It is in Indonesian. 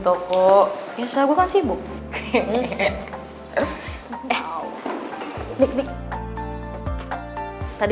tadi lagi gw sudah semangat